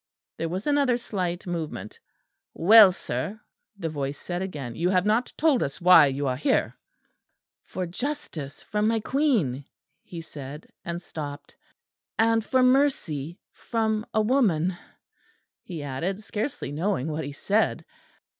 There was another slight movement. "Well, sir," the voice said again, "you have not told us why you are here." "For justice from my queen," he said, and stopped. "And for mercy from a woman," he added, scarcely knowing what he said.